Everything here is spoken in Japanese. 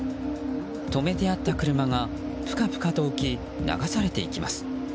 止めてあった車がプカプカと浮き流されていきます。